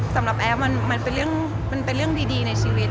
สำหรับแอฟมันเป็นเรื่องดีในชีวิต